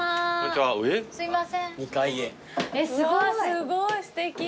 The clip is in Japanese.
すごいすてき。